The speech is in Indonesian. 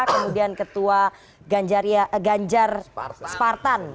kemudian ketua ganjar spartan